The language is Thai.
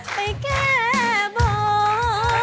ไปแก่บน